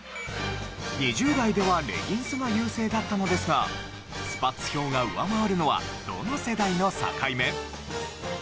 ２０代ではレギンスが優勢だったのですがスパッツ票が上回るのはどの世代の境目？